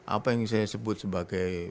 apa yang saya sebut sebagai